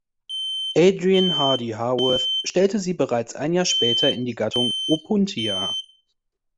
Adrian Hardy Haworth stellte sie bereits ein Jahr später in die Gattung "Opuntia".